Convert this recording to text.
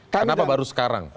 kenapa baru sekarang